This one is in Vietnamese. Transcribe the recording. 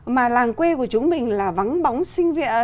mà làng quê của chúng mình là vắng bóng sinh viên